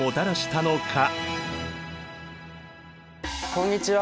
こんにちは！